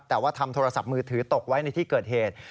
แต่ว่าทำโทรศัพท์มือถือตกไว้ในที่เกิดเหตุ